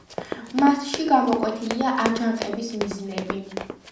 მასში გამოკვეთილია აჯანყების მიზნები.